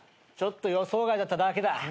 ちょっと予想外だっただけだ。